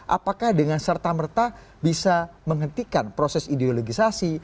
apakah dengan serta merta bisa menghentikan proses ideologisasi